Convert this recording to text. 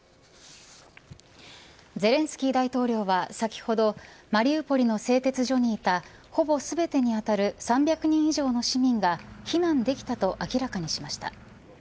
ゼレンスキー大統領は先ほどマリウポリの製鉄所にいたほぼ全てにあたる３００人以上の市民が避難できたと明らかにしました。